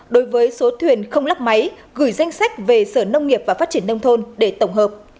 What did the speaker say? đối với số thuyền không lắp máy gửi danh sách về sở nông nghiệp và phát triển nông thôn để tổng hợp